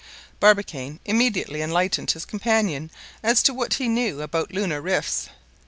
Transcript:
Barbicane immediately enlightened his companion as to what he knew about lunar rifts.